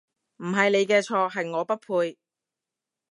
唔係你嘅錯，係我不配